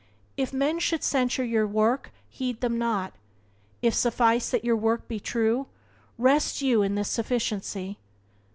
If men should censure your work, heed them not. It sufficed that your work be true: rest you in this sufficiency.